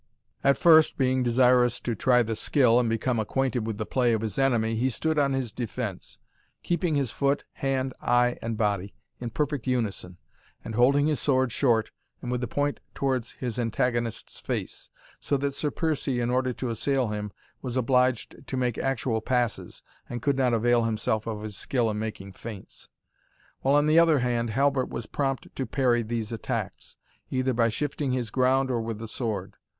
At first, being desirous to try the skill, and become acquainted with the play of his enemy, he stood on his defence, keeping his foot, hand, eye, and body, in perfect unison, and holding his sword short, and with the point towards his antagonist's face, so that Sir Piercie, in order to assail him, was obliged to make actual passes, and could not avail himself of his skill in making feints; while, on the other hand, Halbert was prompt to parry these attacks, either by shifting his ground or with the sword.